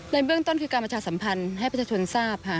ในเบื้องต้นคือการประชาสัมพันธ์ให้ประชาชนทราบค่ะ